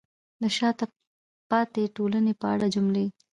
د شاته پاتې ټولنې په اړه جملې: